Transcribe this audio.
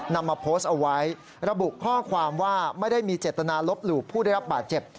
นำมาโพสต์เอาไว้ระบุข้อความว่าไม่ได้มีเจตนาลบหลู่ผู้ได้รับบาดเจ็บ